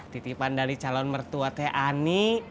titipan dari calon mertua teh ani